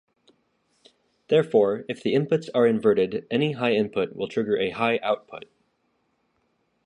Therefore, if the inputs are inverted, any high input will trigger a high output.